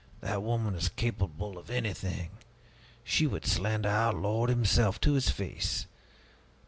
"That woman is capable of anything! She would slander our Lord himself to His face!